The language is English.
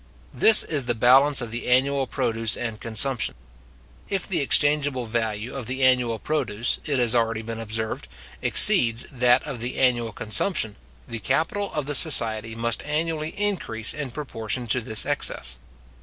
This is the balance of the annual produce and consumption. If the exchangeable value of the annual produce, it has already been observed, exceeds that of the annual consumption, the capital of the society must annually increase in proportion to this excess.